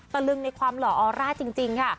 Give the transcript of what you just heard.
ตะลึงในความหล่อออร่าจริงค่ะ